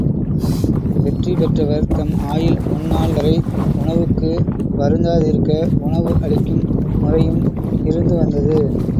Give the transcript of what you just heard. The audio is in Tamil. வெற்றி பெற்றவர் தம் ஆயுள் முன்நாள் வரை உணவுக்கு வருந்தாதிருக்க, உணவு அளிக்கும் முறையும் இருந்து வந்தது.